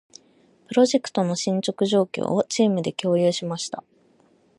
プロジェクトの進捗状況を、チームで共有しました。